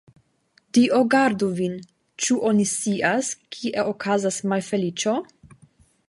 Dio gardu vin, ĉu oni scias, kie okazos malfeliĉo?